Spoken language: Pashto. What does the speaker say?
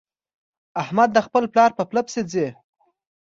احمد د خپل پلار په پله پسې ځي.